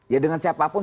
ya dengan siapapun